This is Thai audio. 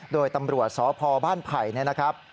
โดยตำรวจสพบ้านไผ่นะครับ